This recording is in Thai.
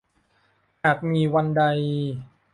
หากมีวันใด